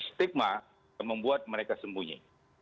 stigma yang membuat mereka sembunyi